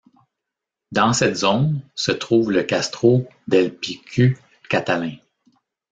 Dans cette zone se trouve le Castro del Picu Catalin.